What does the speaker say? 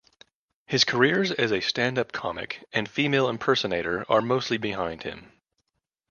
His careers as a stand-up comic and female impersonator are mostly behind him.